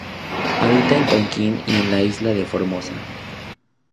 Habita en Tonkin y en la isla de Formosa.